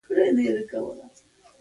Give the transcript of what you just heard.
ټول سوغاتونه یې ورڅخه واخیستل.